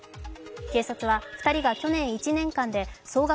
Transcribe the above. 警察は２人が去年１年間で総額